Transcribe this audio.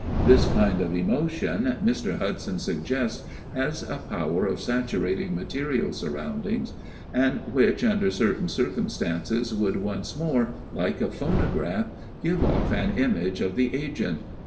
This kind of emotion, Mr. Hudson suggests, has a power of saturating material surroundings and which, under certain circumstances would once more, like a phonograph, give off an image of the agent.